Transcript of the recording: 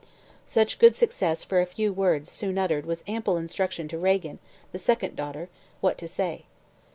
Such good success for a few words soon uttered was ample instruction to Regan, the second daughter, what to say.